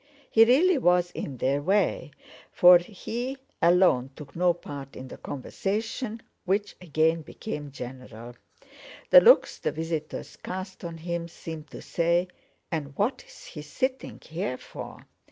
He really was in their way, for he alone took no part in the conversation which again became general. The looks the visitors cast on him seemed to say: "And what is he sitting here for?"